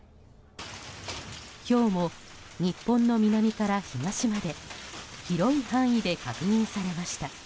ひょうも、日本の南から東まで広い範囲で確認されました。